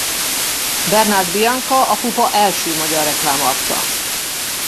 Bernát Bianka a Pupa első magyar reklámarca.